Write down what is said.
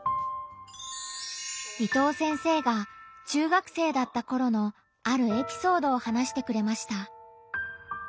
伊藤先生が中学生だったころのあるエピソードを話してくれました。